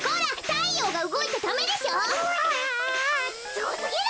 すごすぎる！